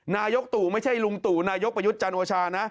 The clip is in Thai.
นายกตู่ไม่ใช่ลุงตู่นายกประยุทธ์จันทร์โอชานะ